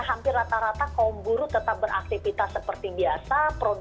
hampir rata rata kaum buruh tetap beraktivitas seperti biasa